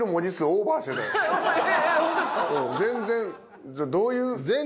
全然どういう？